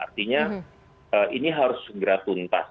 artinya ini harus segera tuntas